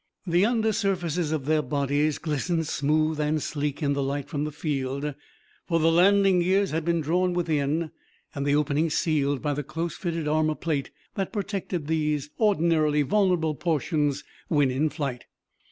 The under surfaces of their bodies glistened smooth and sleek in the light from the field, for the landing gears had been drawn within and the openings sealed by the close fitted armor plate that protected these ordinarily vulnerable portions when in flight.